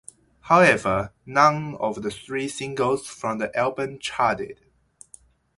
However, none of the three singles from the album charted.